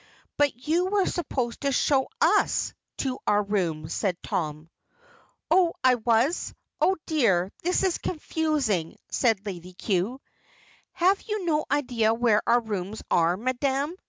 "But you were supposed to show us to our rooms," said Tom. "I was? Oh, dear, this is confusing," said Lady Cue. "Have you no idea where our rooms are, Madame?"